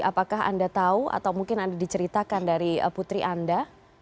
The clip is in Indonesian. apakah anda tahu atau mungkin anda diceritakan dari putri anda